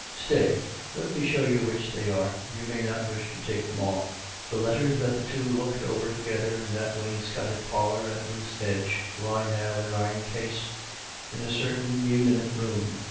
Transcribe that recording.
" Stay ; let me show you which they are. You may not wish to take them all." The letters that the two looked over together in that wainscoted parlour at Booth's Edge lie now in an iron case in a certain muniment room.